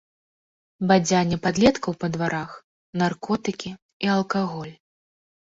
Бадзянне падлеткаў па дварах, наркотыкі і алкаголь.